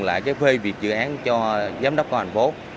lại phê việc dự án cho giám đốc công an phố